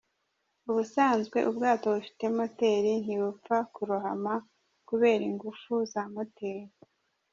Ubusanzwe ubwato bufite moteti ntibupfa kurohama kubera ingufu za moteri.